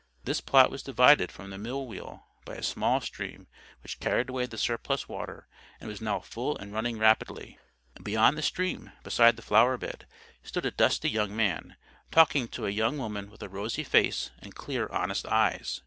This plot was divided from the mill wheel by a small stream which carried away the surplus water, and was now full and running rapidly. Beyond the stream, beside the flower bed, stood a dusty young man, talking to a young woman with a rosy face and clear honest eyes.